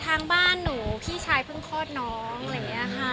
ทางบ้านหนูพี่ชายเพิ่งคลอดน้องอะไรอย่างนี้ค่ะ